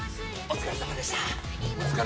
お疲れさまでした。